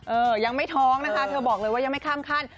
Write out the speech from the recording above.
เออยังไม่ท้องนะคะเธอบอกเลยว่ายังไม่ข้ามขั้น